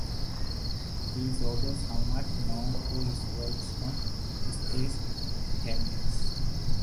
He is also somewhat known for his work on space tethers.